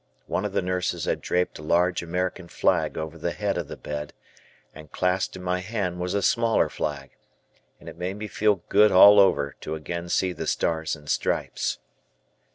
One of the nurses had draped a large American flag over the head of the bed, and clasped in my hand was a smaller flag, and it made me feel good all over to again see the "Stars and Stripes."